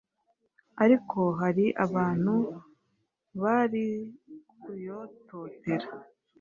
ariko hari abantu bari kuyototera